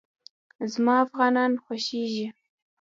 زما افغانان خوښېږي